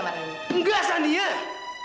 terima kasih banget ao syamiyah